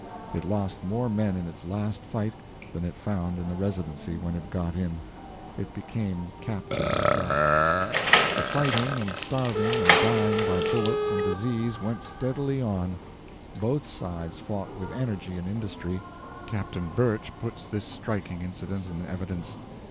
It lost more men in its last fight than it found in the Residency when it got in. It became captive itself. The fighting and starving and dying by bullets and disease went steadily on. Both sides fought with energy and industry. Captain Birch puts this striking incident in evidence.